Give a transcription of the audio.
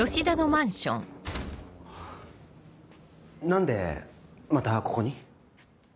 何でまたここに？